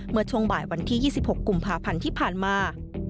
เมื่อช่วงบ่ายวันที่๒๖กุมภาพันธ์ที่ผ่านมา